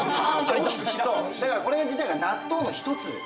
だからオレ自体が納豆の一つ。